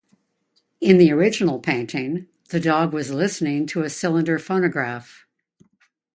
In the original painting, the dog was listening to a cylinder phonograph.